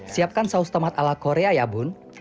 siapkan saus tomat ala korea ya bun